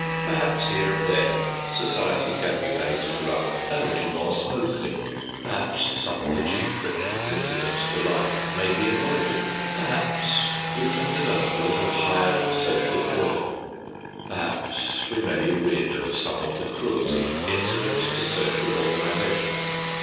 Perhaps here and there society can be made to run a little more smoothly; perhaps some of the chief frictions incident to life may be avoided; perhaps we can develop a little higher social order; perhaps we may get rid of some of the cruelty incident to social organization.